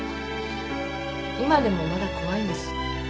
今でもまだ怖いんです。